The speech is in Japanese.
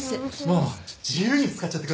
もう自由に使っちゃってください。